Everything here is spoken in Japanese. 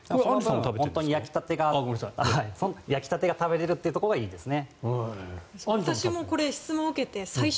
焼きたてが食べられるというところがいいですね。